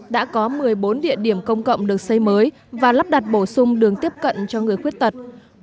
đã có một mươi bốn địa điểm công cộng được xây mới và lắp đặt bổ sung đường tiếp cận cho người khuyết tật